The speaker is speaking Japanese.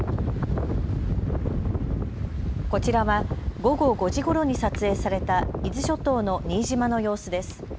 こちらは午後５時ごろに撮影された伊豆諸島の新島の様子です。